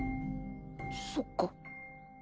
そっか。